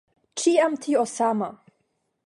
Ĉiam tio sama!